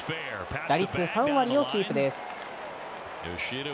打率３割をキープです。